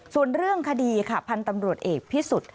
ส่วนเรื่องคดีค่ะพันธุ์ตำรวจเอกพิสุทธิ์